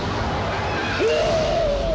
ini adalah sykelbanda